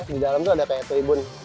di dalam tuh ada kayak tribun